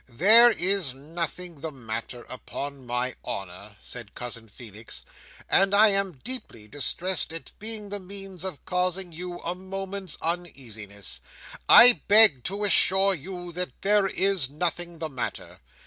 "There is nothing the matter, upon my honour," said Cousin Feenix; "and I am deeply distressed at being the means of causing you a moment's uneasiness. I beg to assure you that there is nothing the matter.